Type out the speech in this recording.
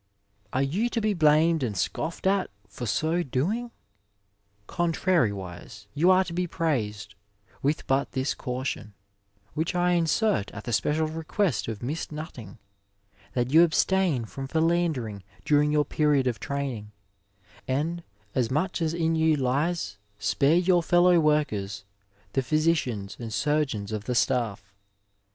Are you to be blamed and scoffed at for so doing ? Contrari wise, you are to be praised, with but this caution — ^which I insert at the special request of Hiss Nutting— that you abstain from philandering during your period of training, and, as much as in you lies, spare your fellow workers, the physicians and surgeons of the sta£E.